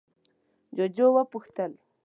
جُوجُو وپوښتل: